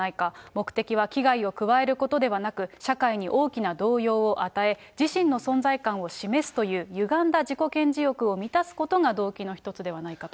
目的は危害を加えることではなく社会に大きな動揺を与え、自身の存在感を示すというゆがんだ自己顕示欲を満たすことが動機の一つではないかと。